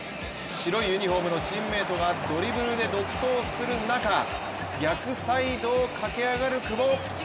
白いユニフォームのチームメートがドリブルで独走する中逆サイドを駆け上がる久保。